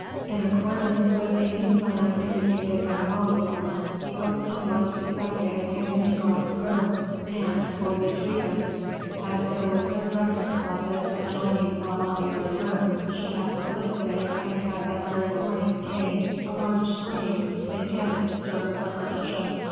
In accordance with a new plan indicated by Malicorne, the opening was effected in an angle of the room and for this reason. As there was no dressing closet adjoining La Valliere's room, she had solicited, and had that very morning obtained, a large screen intended to serve as a partition.